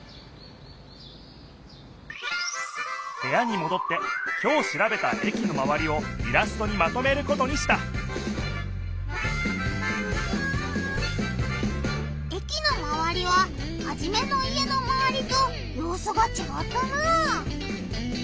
へやにもどってきょうしらべた駅のまわりをイラストにまとめることにした駅のまわりはハジメの家のまわりとようすがちがったな。